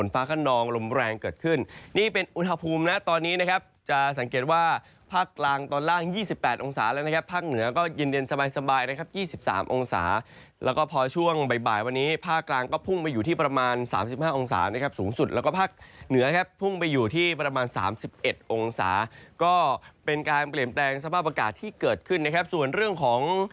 ฟ้าขนองลมแรงเกิดขึ้นนี่เป็นอุณหภูมินะตอนนี้นะครับจะสังเกตว่าภาคกลางตอนล่าง๒๘องศาแล้วนะครับภาคเหนือก็เย็นสบายนะครับ๒๓องศาแล้วก็พอช่วงบ่ายวันนี้ภาคกลางก็พุ่งไปอยู่ที่ประมาณ๓๕องศานะครับสูงสุดแล้วก็ภาคเหนือครับพุ่งไปอยู่ที่ประมาณ๓๑องศาก็เป็นการเปลี่ยนแปลงสภาพอากาศที่เกิดขึ้นนะครับส่วนเรื่องของ